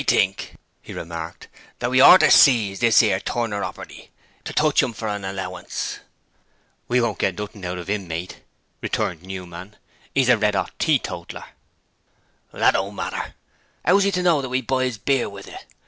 'I think,' he remarked, 'that we oughter see ise this 'ere tuneropperty to touch 'im for an allowance.' 'We won't git nothin' out of 'IM, mate,' returned Newman. ''E's a red 'ot teetotaller.' 'That don't matter. 'Ow's 'e to know that we buys beer with it?